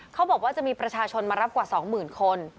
เขาบอกว่าจะมีประชาชนมารับกว่าสองหมื่นคน